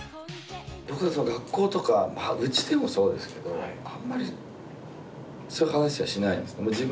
僕は学校とかうちでもそうですけどあんまりそういう話はしないんです。